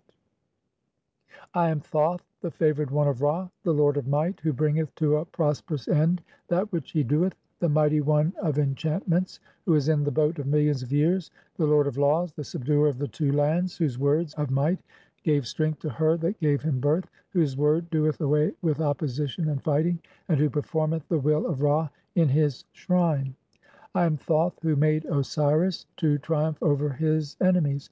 (8) "I am Thoth. the favoured one of Ra, the lord of might, "who bringeth to a prosperous end that which he doeth, the "mighty one of enchantments who is in the boat of millions "of years, the lord of laws, the subduer of the two lands, (9) "whose words of might gave strength to her that gave him birth, "whose word doeth away with opposition and fighting, and "who performeth the will of Ra in his shrine." "I am Thoth, who made Osiris to triumph (10) over his "enemies."